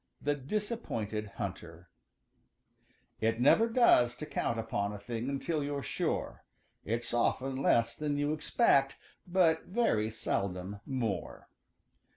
THE DISAPPOINTED HUNTER ```It never does to count upon ````A thing until you're sure. ```It's often less than you expect, ````But very seldom more.